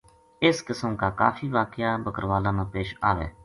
اس قِسم کا کافی واقعہ بکروالاں نال پیش آوے